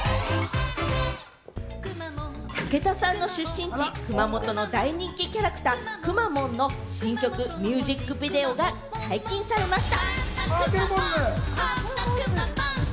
武田さんの出身地・熊本の大人気キャラクター・くまモンの新曲ミュージックビデオが解禁されました。